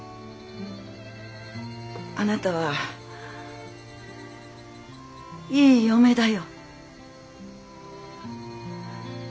あなたはいい嫁だよ。